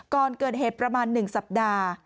ก่อนเกิดเหตุประมาณ๑สัปดาห์